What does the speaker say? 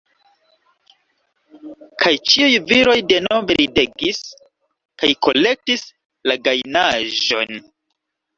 Kaj ĉiuj viroj denove ridegis kaj kolektis la gajnaĵon.